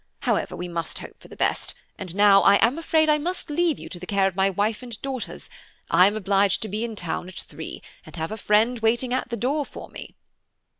However, we must hope for the best, and now I am afraid I must leave you to the care of my wife and daughters; I am obliged to be in town at three, and have a friend waiting at the door for me."